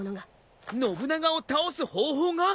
信長を倒す方法が！？